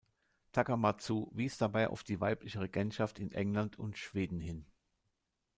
Takamatsu wies dabei auf die weibliche Regentschaft in England und Schweden hin.